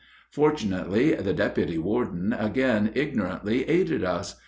Fortunately the deputy warden again ignorantly aided us.